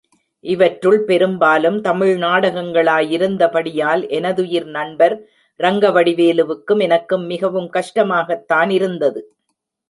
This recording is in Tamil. இவற்றுள் பெரும்பாலும் தமிழ் நாடகங்களாயிருந்தபடியால், எனதுயிர் நண்பர் ரங்கவடிவேலுக்கும், எனக்கும் மிகவும் கஷ்டமாகத்தானிருந்தது.